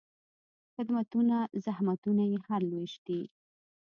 خدمتونه، زحمتونه یې هر لوېشت دي